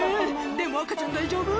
でも赤ちゃん大丈夫！」